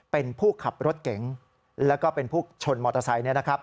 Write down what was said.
เป็นผู้ขับรถเก๋งแล้วก็เป็นผู้ชนมอเตอร์ไซค์